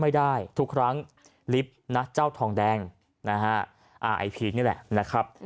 ไม่ได้ทุกครั้งลิฟต์นะเจ้าทองแดงนะฮะอ่าไอพีชนี่แหละนะครับ